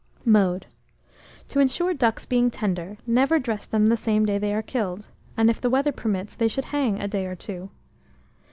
] Mode. To insure ducks being tender, never dress them the same day they are killed; and if the weather permits, they should hang a day or two.